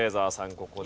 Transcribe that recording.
ここで。